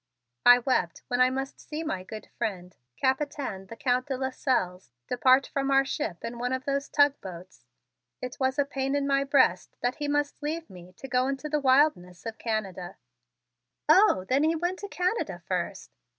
"I wept when I must see my good friend, Capitaine, the Count de Lasselles, depart from our ship in one of those tug boats. It was a pain in my breast that he must leave me to go into the wildness of Canada." "Oh, then he went to Canada first?"